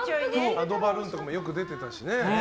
アドバルーンとかもよく出てたしね。